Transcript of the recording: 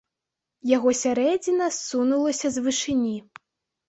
Яго сярэдзіна ссунулася з вышыні.